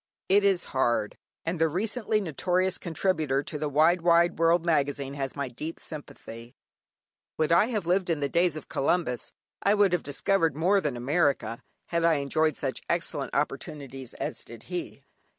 It is hard! and the recently notorious contributor to the "Wide Wide World" Magazine has my deep sympathy. Would I had lived in the days of Columbus; I would have discovered more than America, had I enjoyed such excellent opportunities as did he.